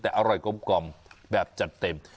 แต่อร่อยกลมแบบจัดเต็ม